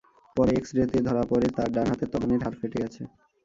পরে এক্স-রেতে ধরা পড়ে তাঁর ডান হাতের তর্জনীর হাড় ফেটে গেছে।